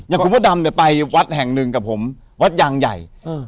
คุณพ่อดำเนี่ยไปวัดแห่งหนึ่งกับผมวัดยางใหญ่